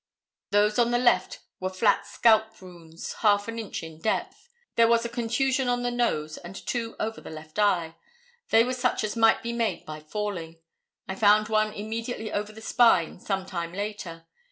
Those on the left were flat scalp wounds half an inch in depth. There was a contusion on the nose and two over the left eye. They were such as might be made by falling. I found one immediately over the spine some time later.